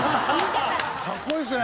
かっこいいですね！